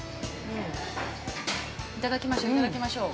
◆いただきましょう。